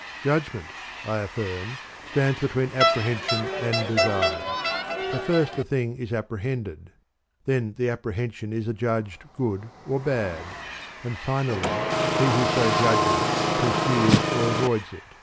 * 2. Judgment, I affirm, stands between ap prehension and desire ; for first a thing is appre hended; then the apprehension is adjudged good or bad; and finally he who so judges pursues or avoids it.